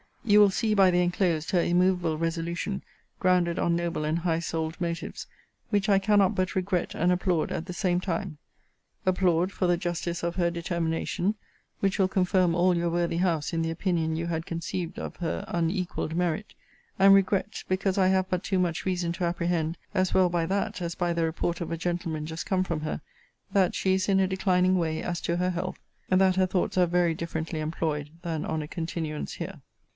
You will see, by the enclosed, her immovable resolution, grounded on noble and high souled motives, which I cannot but regret and applaud at the same time: applaud, for the justice of her determination, which will confirm all your worthy house in the opinion you had conceived of her unequalled merit; and regret, because I have but too much reason to apprehend, as well by that, as by the report of a gentleman just come from her, that she is in a declining way, as to her health, that her thoughts are very differently employed than on a continuance here.